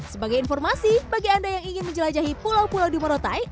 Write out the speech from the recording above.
sebagai informasi bagi anda yang ingin menjelajahi pulau pulau di morotai